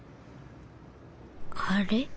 あれ？